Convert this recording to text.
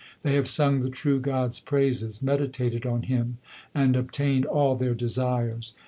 They have sung the true God s praises, meditated on Him, and obtained all their desires.